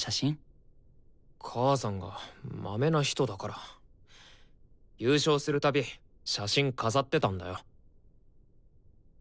母さんがまめな人だから優勝するたび写真飾ってたんだよ。